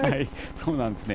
そうなんですね。